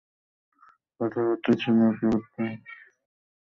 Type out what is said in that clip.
কথায় বার্তায়ও ছেলে অতি ভদ্র।